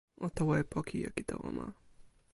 o tawa e poki jaki tawa ma.